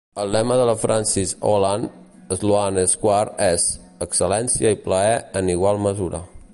El lema de la Francis Holland Sloane Square és: "Excel·lència i plaer en igual mesura".